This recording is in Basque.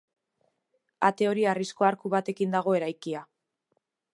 Ate hori harrizko arku batekin dago eraikia.